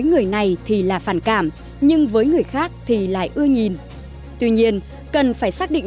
người thì không chấp nhận người thì đồng tình cho rằng